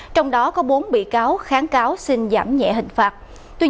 trong đó có bốn bị cáo kháng cáo xin giảm nhẹ hình phạt